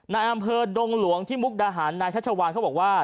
ในอำเภอดงหลวงที่มุกดาหารนายชัชวานเขาบอกว่า